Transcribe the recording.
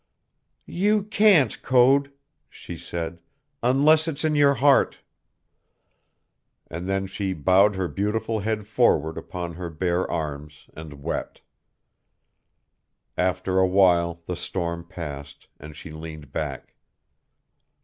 "You can't, Code," she said, "unless it's in your heart," and then she bowed her beautiful head forward upon her bare arms and wept. After awhile the storm passed and she leaned back.